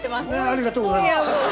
ありがとうございます。